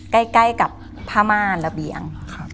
ใกล้กับผ้าม่านระเบียง